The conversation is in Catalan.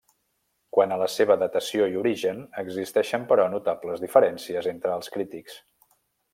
Quant a la seva datació i origen existeixen però notables diferències entre els crítics.